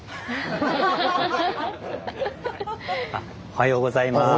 おはようございます。